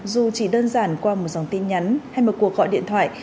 dù chỉ đơn giản qua một dòng tin nhắn hay một cuộc gọi điện thoại